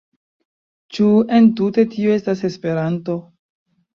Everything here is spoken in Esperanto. Ĉu entute tio estas Esperanto?